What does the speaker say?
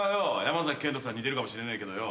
山賢人さんに似てるかもしれないけどよ。